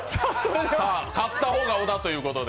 勝った方が小田ということで。